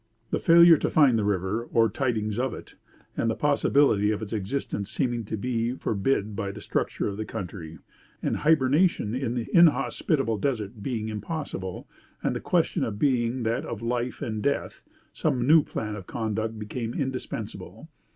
The failure to find the river, or tidings of it, and the possibility of its existence seeming to be forbid by the structure of the country, and hybernation in the inhospitable desert being impossible, and the question being that of life and death, some new plan of conduct became indispensable.